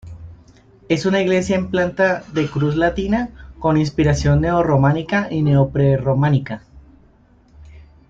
Es una iglesia en planta de cruz latina, con inspiración neo románica y neo-prerrománica.